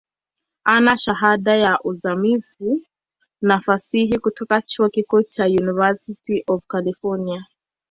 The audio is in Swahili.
Ana Shahada ya uzamivu ya Fasihi kutoka chuo kikuu cha University of California.